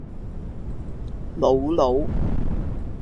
瑙魯